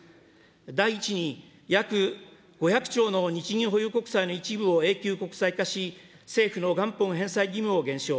第１に、約５００兆の日銀保有国債の一部を永久国債化し、政府の元本返済義務を減少。